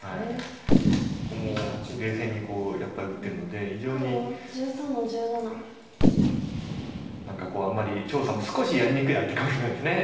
ここも冷静にやっぱり打ってるので非常に何かあんまり張栩さんも少しやりにくい相手かもしれないです